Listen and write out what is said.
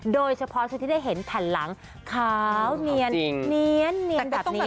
โดยเฉพาะชุดที่ได้เห็นแผ่นหลังขาวเนียนแบบนี้